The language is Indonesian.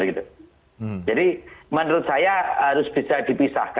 jadi menurut saya harus bisa dipilih